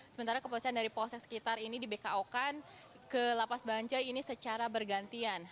sementara kepolisian dari polsek sekitar ini di bkokan ke lapas bancai ini secara bergantian